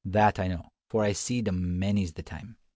That I know, for I've seed 'em many's the time."